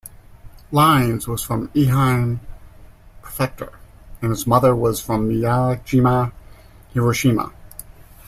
Lines, was from Ehime Prefecture, and his mother was from Miyajima, Hiroshima.